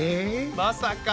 まさか！